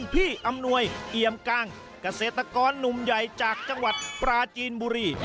อำนวยเอี่ยมกังเกษตรกรหนุ่มใหญ่จากจังหวัดปราจีนบุรี